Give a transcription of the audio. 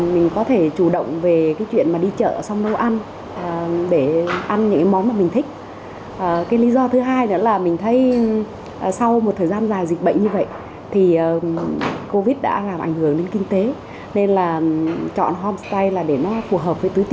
kinh tế nên là chọn homestay là để nó phù hợp với túi tiền của mình